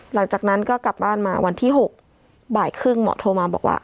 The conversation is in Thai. หลังจากนั้นก็กลับบ้านมาวันที่๖บ่ายครึ่งหมอโทรมาบอกว่า